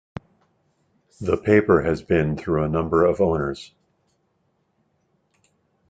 The paper has been through a number of owners.